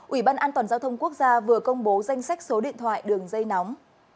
ủy ban an toàn giao thông quốc gia vừa công bố danh sách số điện thoại đường dây nóng